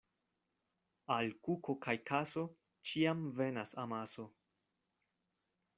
Al kuko kaj kaso ĉiam venas amaso.